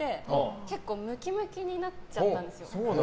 結構ムキムキになっちゃったんですよ。